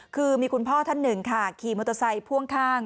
คือมีคุณพ่อท่านหนึ่งค่ะขี่มอเตอร์ไซค์พ่วงข้าง